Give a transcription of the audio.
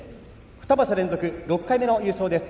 ２場所連続、６回目の優勝です。